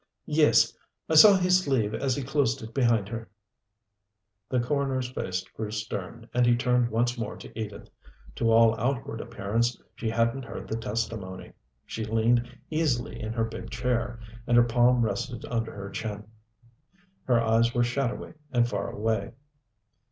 "Yes. I saw his sleeve as he closed it behind her." The coroner's face grew stern, and he turned once more to Edith. To all outward appearance she hadn't heard the testimony. She leaned easily in her big chair, and her palm rested under her chin. Her eyes were shadowy and far away.